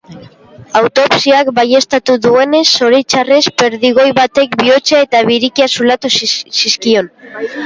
Autopsiak baieztatu duenez, zoritxarrez perdigoi batek bihotza eta birika zulatu zizkion.